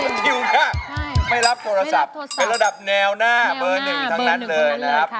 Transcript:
คุณทิวก็ไม่รับโทรศัพท์เป็นระดับแนวหน้าเบอร์หนึ่งทั้งนั้นเลยนะครับ